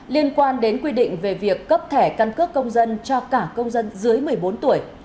liên quan đến quy định về việc cấp thẻ căn cước công dân cho cả công dân dưới một mươi bốn tuổi